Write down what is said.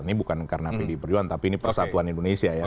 ini bukan karena pdi perjuangan tapi ini persatuan indonesia ya